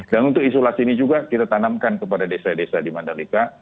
dan untuk isolasi ini juga kita tanamkan kepada desa desa di mandalika